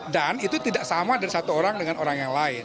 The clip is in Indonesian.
dan itu tidak sama dari satu orang dengan orang yang lain